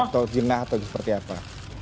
atau zinah atau seperti apa